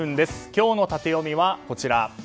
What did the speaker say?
今日のタテヨミはこちら。